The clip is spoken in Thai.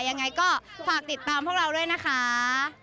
ยังไงก็ฝากติดตามพวกเราด้วยนะคะ